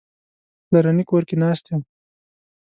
په پلرني کور کې ناست یم.